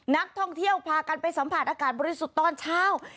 นักท่องเที่ยวพากันไปสัมผัสอากาศบริสุทธิ์ตอนเช้า